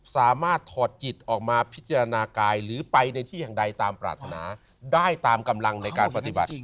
ถอดจิตออกมาพิจารณากายหรือไปในที่แห่งใดตามปรารถนาได้ตามกำลังในการปฏิบัติ